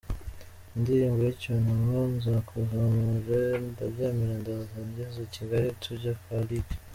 indirimbo yicyunamo nzakuzamure ndabyemera ndaza ngeze i Kigali tujya kwa Lick.